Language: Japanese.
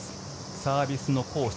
サービスのコース